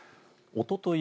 おととい